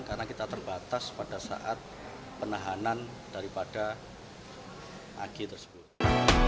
karena kita terbatas pada saat penahanan daripada ag tersebut